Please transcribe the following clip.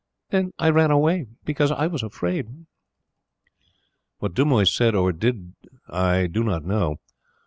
Then I ran away, because I was afraid." What Dumoise said or did I do not know.